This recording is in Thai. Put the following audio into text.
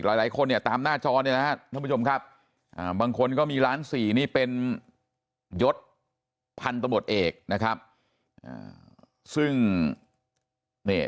คนเนี่ยตามหน้าจอนี้นะครับน้องผู้ชมครับบางคนก็มีร้าน๔นี้เป็นยทพันธุ์ตำรวจเอกนะครับซึ่งเนี่ย